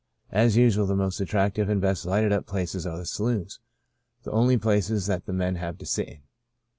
"As usual the most attractive and best lighted up places are the saloons, the only places that the men have to sit in.